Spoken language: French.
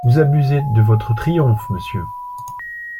Vous abusez de votre triomphe, monsieur.